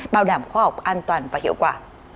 bảo đảm khoa học an toàn và hiệu quả